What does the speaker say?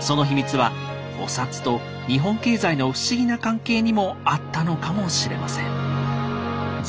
そのヒミツはお札と日本経済の不思議な関係にもあったのかもしれません。